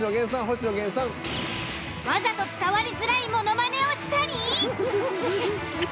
わざと伝わりづらいものまねをしたり。